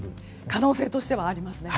可能性としてはありますね。